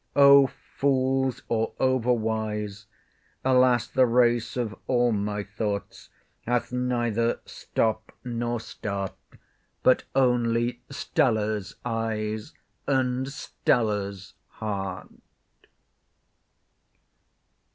O fools, or over wise! alas, the race Of all my thoughts hath neither stop nor start, But only STELLA'S eyes, and STELLA'S heart.